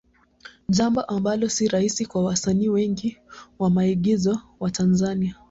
Jambo ambalo sio rahisi kwa wasanii wengi wa maigizo wa Tanzania.